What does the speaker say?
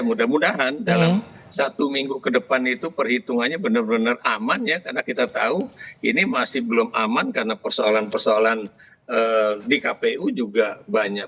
mudah mudahan dalam satu minggu ke depan itu perhitungannya benar benar aman ya karena kita tahu ini masih belum aman karena persoalan persoalan di kpu juga banyak